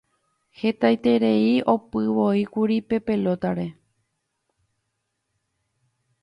Hatãiterei opyvoíkuri pe pelota-re.